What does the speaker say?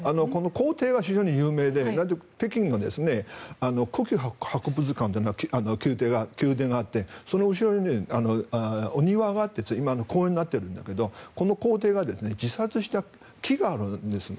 皇帝は非常に有名で故宮博物館という宮殿があってそのお城にお庭があって今は公園になっているんだけどこの皇帝が自殺した木があるんです。